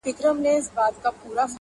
ځوانان د ازادۍ غږ اخبار ته ګوري حيران،